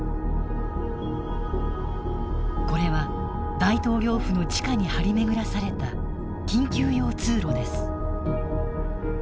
これは大統領府の地下に張り巡らされた緊急用通路です。